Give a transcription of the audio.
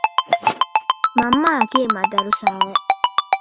މަންމަޔަކީ މަދަރުސާއެއް